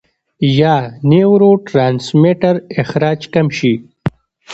يا نيوروټرانسميټر اخراج کم شي -